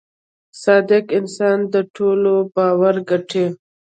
• صادق انسان د ټولو باور ګټي.